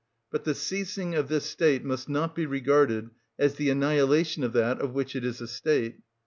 But the ceasing of this state must not be regarded as the annihilation of that of which it is a state.